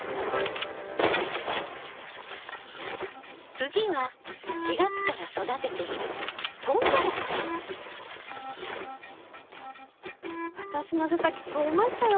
次は４月から育てている私の背丈越えましたよ。